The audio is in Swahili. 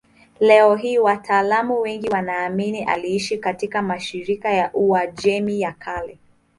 Leo hii wataalamu wengi wanaamini aliishi katika mashariki ya Uajemi ya Kale.